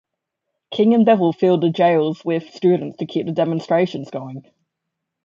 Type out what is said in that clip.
King and Bevel filled the jails with students to keep the demonstrations going.